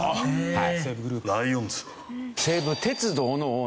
はい。